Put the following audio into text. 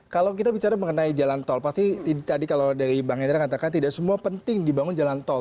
kalau kita bicara mengenai jalan tol pasti tadi kalau dari bang hendra katakan tidak semua penting dibangun jalan tol